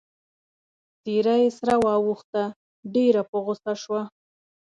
څېره يې سره واوښته، ډېره په غوسه وه.